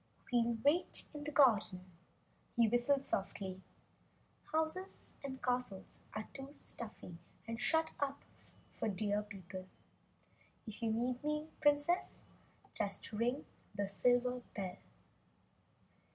"We'll wait in the garden," he whistled softly. "Houses and castles are too stuffy and shut in for Deer people. If you need me, Princess, just ring the silver bell."